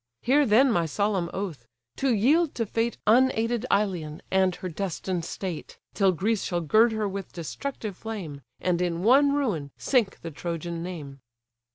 Hear then my solemn oath, to yield to fate Unaided Ilion, and her destined state, Till Greece shall gird her with destructive flame, And in one ruin sink the Trojan name."